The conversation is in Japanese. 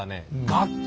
楽器！